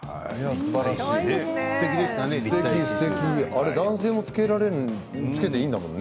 すてき、すてきあれ男性もつけていいんだもんね。